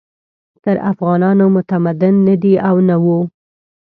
تر افغانانو متمدن نه دي او نه وو.